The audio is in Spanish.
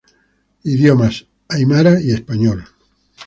Idiomas: aimara y español.